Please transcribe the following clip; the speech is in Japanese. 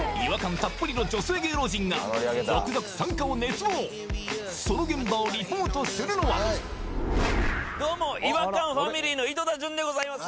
たっぷりの女性芸能人が続々参加を熱望その現場をリポートするのはどうも違和感ファミリーの井戸田潤でございます